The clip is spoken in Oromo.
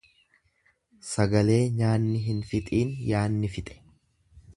Sagalee nyaanni hin fixiin yaanni fixe.